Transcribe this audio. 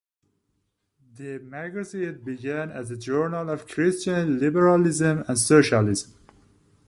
The magazine began as a journal of Christian liberalism and socialism.